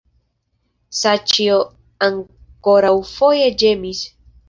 Saĉjo ankoraŭfoje ĝemis.